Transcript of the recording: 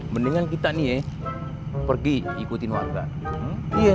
mendingan kita nih pergi ikutin warga iya